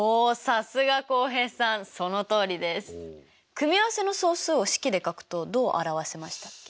組合せの総数を式で書くとどう表せましたっけ？